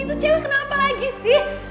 itu cewek kenapa lagi sih